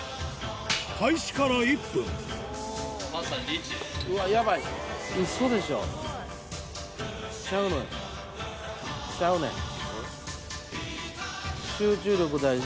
開始から１分ちゃうねん。